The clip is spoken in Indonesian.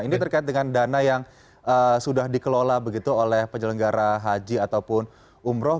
ini terkait dengan dana yang sudah dikelola begitu oleh penyelenggara haji ataupun umroh